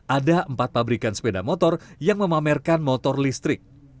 ada empat pabrikan sepeda motor yang memamerkan motor listrik